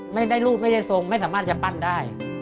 ไม่ได้รูปไม่ได้ทรงไม่สามารถจะปั้นได้